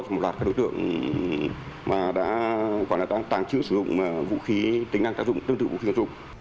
một loạt các đối tượng mà đã gọi là toán tàng trữ sử dụng vũ khí tính năng tác dụng tương tự vũ khí quân dụng